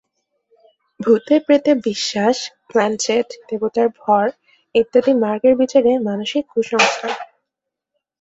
ভূত-প্রেতে বিশ্বাস, প্ল্যাঞ্চেট, দেবতার ভর ইত্যাদি মার্গের বিচারে মানসিক কুসংস্কার।